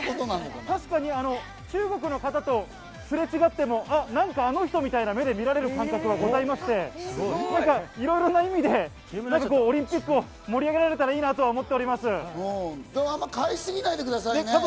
確かに中国の方とすれ違っても、あっ、なんかあの人みたいな目で見られる感覚はございまして、いろいろな意味でオリンピックを盛り上げられたらいでも、あんまり買いすぎないでくださいね。